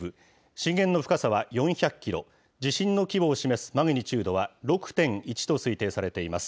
震源の深さは４００キロ、地震の規模を示すマグニチュードは６．１と推定されています。